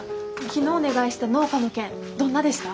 昨日お願いした農家の件どんなでした？